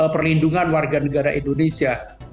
perlindungan warga negara indonesia